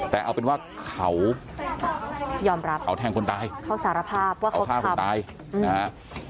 แต่เอาเป็นว่าเขายอมรับเอาแทงคนตายเขาสารภาพว่าเขาทำ